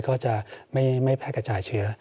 ก็จะไม่แพร่กระจายเชื้อ